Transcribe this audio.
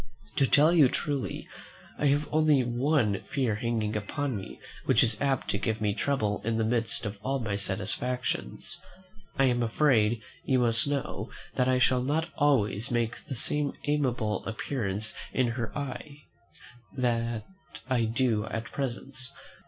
To tell you truly, I have only one fear hanging upon me, which is apt to give me trouble in the midst of all my satisfactions: I am afraid, you must know, that I shall not always make the same amiable appearance in his eye that I do at present.